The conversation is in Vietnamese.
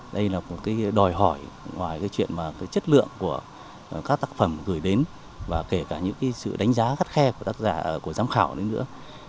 đây là một cái đòi hỏi ngoài cái chuyện mà cái chất lượng của các tác phẩm gửi đến và kể cả những cái sự đánh giá khắt khe của tác giả của giám khảo đấy nữa